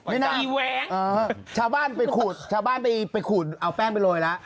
ชาวบ้านไปขูดชาวบ้านไปขูดเอาแป้งไปโรยแล้ว